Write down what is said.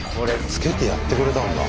つけてやってくれたんだ。